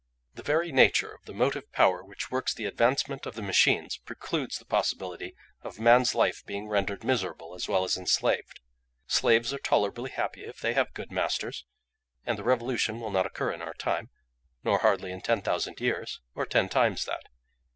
"The very nature of the motive power which works the advancement of the machines precludes the possibility of man's life being rendered miserable as well as enslaved. Slaves are tolerably happy if they have good masters, and the revolution will not occur in our time, nor hardly in ten thousand years, or ten times that.